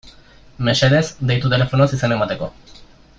Mesedez, deitu telefonoz izena emateko.